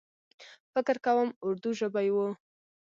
فکر کوم اردو ژبۍ و.